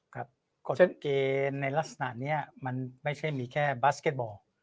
กฎเกณฑ์ในลักษณะนี้มันไม่ใช่มีแค่บัสเก็ตบอล